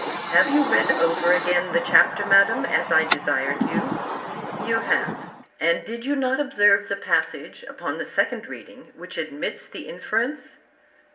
Have you read over again the chapter, Madam, as I desired you?—You have: And did you not observe the passage, upon the second reading, which admits the inference?